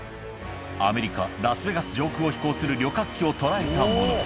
アメリカラスベガス上空を飛行する旅客機を捉えたもの